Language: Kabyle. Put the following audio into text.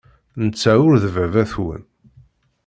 Netta ur d baba-twen.